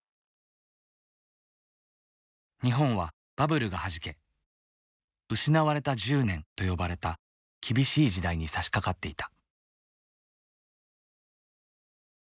日本はバブルがはじけ失われた１０年と呼ばれた厳しい時代にさしかかっていた。